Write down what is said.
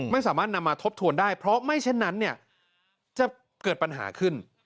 ไม่สามารถนำมาทบทวนได้เพราะไม่เช่นนั้นเนี่ยจะเกิดปัญหาขึ้น